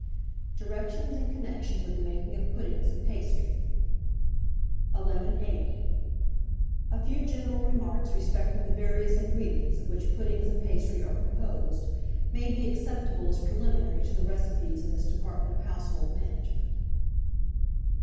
DIRECTIONS IN CONNECTION WITH THE MAKING OF PUDDINGS AND PASTRY. 1180. A few general remarks respecting the various ingredients of which puddings and pastry are composed, may be acceptable as preliminary to the recipes in this department of Household Management.